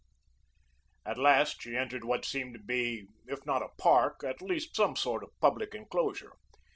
At last, she entered what seemed to be, if not a park, at least some sort of public enclosure.